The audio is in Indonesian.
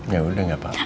ya udah gak apa apa